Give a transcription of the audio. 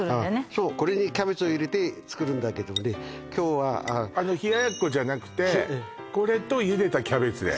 そうこれにキャベツを入れて作るんだけどもね今日は冷奴じゃなくてこれと茹でたキャベツで？